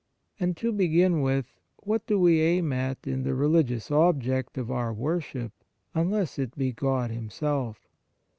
And to begin with, what do we aim at in the religious object of our worship, unless it be God Himself?